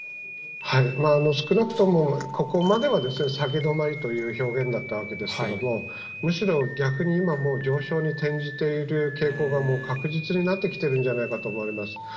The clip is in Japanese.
少なくともここまでは下げ止まりという表現だったわけですけれども、むしろ、逆に今、もう上昇に転じている傾向がもう確実になってきているんじゃないかと思われます。